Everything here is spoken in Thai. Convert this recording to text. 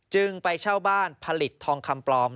ไปเช่าบ้านผลิตทองคำปลอม